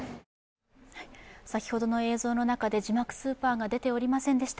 先ほどの映像の中で字幕スーパーが出ておりませんでした。